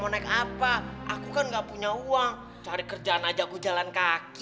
mau naik apa aku kan nggak punya uang cari kerjaan aja aku jalan kaki